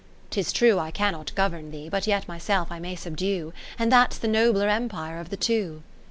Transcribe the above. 'Tis true I cannot govern thee. But yet myself I may subdue ; And that's the nobler empire of the two.